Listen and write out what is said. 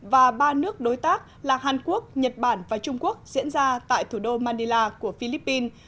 và ba nước đối tác là hàn quốc nhật bản và trung quốc diễn ra tại thủ đô mandila của philippines